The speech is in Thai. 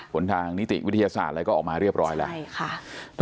ผลทางนิติวิทยาศาสตร์อะไรก็ออกมาเรียบร้อยแล้วใช่ค่ะ